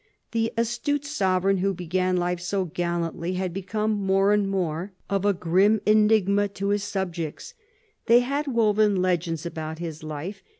The astute sovereign who began life so gallantly had become more and more of a grim enigma to his subjects. They had woven legends about his life.